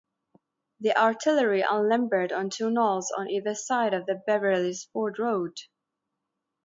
The artillery unlimbered on two knolls on either side of the Beverly's Ford Road.